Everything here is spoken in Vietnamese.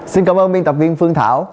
xin cảm ơn biên tập viên phương thảo